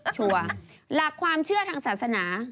ชัวร์หลักความเชื่อทางศาสนา